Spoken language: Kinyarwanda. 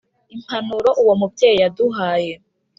Impanuro uwo mubyeyi yaduhaye